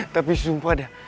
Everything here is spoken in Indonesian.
tapi sumpah dah